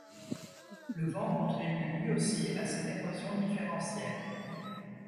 Le vent contribue lui aussi à cette érosion différentielle.